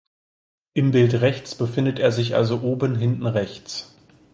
Im Bild rechts befindet er sich also oben hinten rechts.